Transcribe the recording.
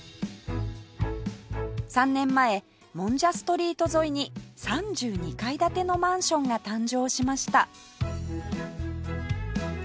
３年前もんじゃストリート沿いに３２階建てのマンションが誕生しました